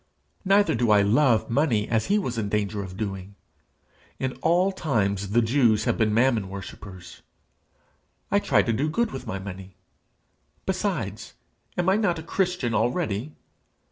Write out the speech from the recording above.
Neither do I love money as he was in danger of doing: in all times the Jews have been Mammon worshippers! I try to do good with my money! Besides, am I not a Christian already?